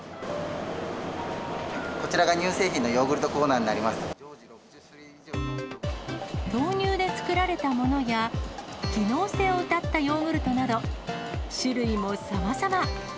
こちらが乳製品のヨーグルト豆乳で作られたものや、機能性をうたったヨーグルトなど、種類もさまざま。